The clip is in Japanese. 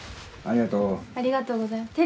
ありがとうございます。